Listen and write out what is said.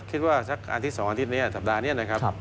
สักอาทิตย์๒อาทิตย์นี้สัปดาห์นี้นะครับ